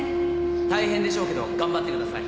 「大変でしょうけど頑張ってください」